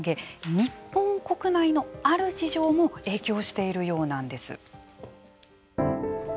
日本国内のある事情も影響しているようなんです。